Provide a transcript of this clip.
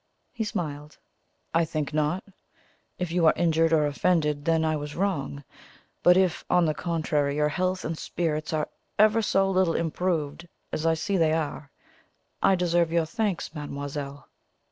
He smiled. "I think not. If you are injured or offended, then I was wrong; but if, on the contrary, your health and spirits are ever so little improved, as I see they are, I deserve your thanks, mademoiselle."